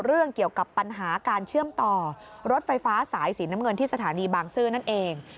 เรื่องเกี่ยวกับปัญหาการเชื่อมต่อรถไฟฟ้าสายสีน้ำเงินที่สถานีบางซื่อนั่นเอง